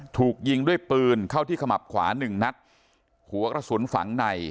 ถูกยิงด้วยปืนเข้าที่ขมับขวาหนึ่งนัดหัวกระสุนฝังใน